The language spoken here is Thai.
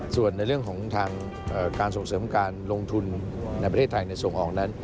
ส่วนในเรื่องของทางการส่งเสริมการลงทุนในประเทศไทยในส่งออกนั้น